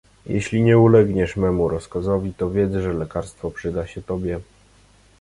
"Jeśli nie ulegniesz memu rozkazowi, to wiedz, że lekarstwo przyda się tobie."